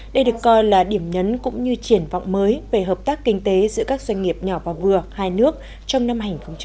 đây được coi là điểm nhấn cũng như triển vọng mới về hợp tác kinh tế giữa các doanh nghiệp nhỏ và vừa hai nước trong năm hai nghìn hai mươi